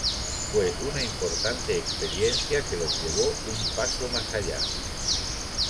Fue una importante experiencia que los llevó un paso más allá.